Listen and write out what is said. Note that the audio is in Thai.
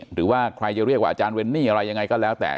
หรือว่าใครจะเรียกว่าอาจารย์เวนนี่อะไรยังไงก็แล้วแต่